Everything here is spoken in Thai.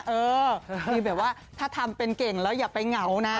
เออมีแบบว่าถ้าทำเป็นเก่งแล้วอย่าไปเหงานะ